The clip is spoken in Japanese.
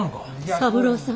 三郎さん。